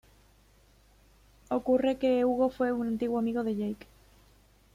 Ocurre que Hugo fue un antiguo amigo de Jake.